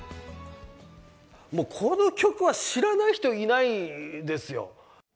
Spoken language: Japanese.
もうこの曲は知らない人いないですよ。